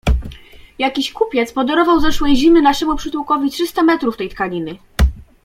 Jakiś kupiec podarował zeszłej zimy naszemu przytułkowi trzysta metrów tej tkaniny.